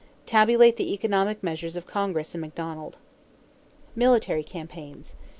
Tabulate the economic measures of Congress in Macdonald. =Military Campaigns.